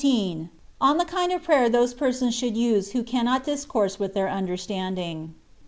OK THB KINI) or PRATIEB TROSB PERSONS SHOULD VBB WHO CANNOT DISCOURSE WITH THEIB UNDEBSTANDINO.